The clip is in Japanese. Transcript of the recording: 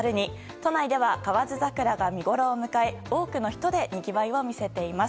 都内では河津桜が見ごろを迎え多くの人でにぎわいを見せています。